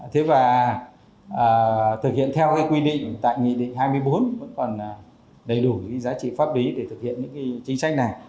thế và thực hiện theo cái quy định tại nghị định hai mươi bốn vẫn còn đầy đủ giá trị pháp lý để thực hiện những cái chính sách này